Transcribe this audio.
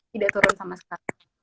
tidak turun sama sekali